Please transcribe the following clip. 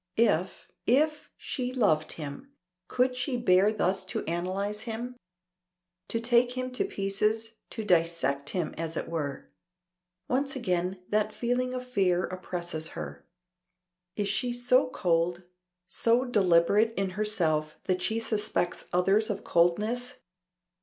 If if she loved him, could she bear thus to analyze him. To take him to pieces, to dissect him as it were? Once again that feeling of fear oppresses her. Is she so cold, so deliberate in herself that she suspects others of coldness.